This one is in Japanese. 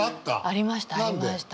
ありました。